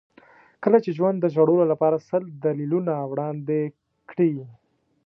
کله چې ژوند د ژړلو لپاره سل دلیلونه وړاندې کړي.